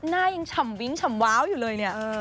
หน้ายังฉ่ำวิ้งฉ่ำว้าวอยู่เลยเนี่ย